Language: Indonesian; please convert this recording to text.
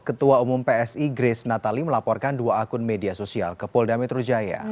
ketua umum psi grace natali melaporkan dua akun media sosial ke polda metro jaya